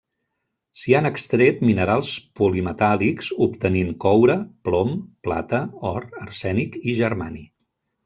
S'hi han extret minerals polimetàl·lics obtenint coure, plom, plata, or, arsènic i germani.